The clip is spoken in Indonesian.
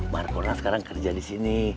barcodera sekarang kerja di sini